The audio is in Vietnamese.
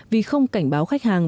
vì không cảnh báo khách hàng